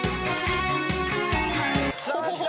さあきた。